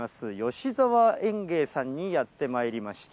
吉沢園芸さんにやってまいりました。